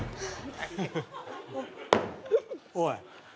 おい。